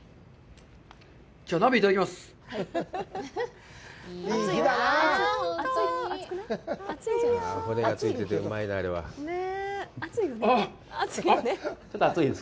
じゃあ鍋、いただきます。